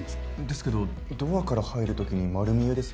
ですけどドアから入るときに丸見えですよ。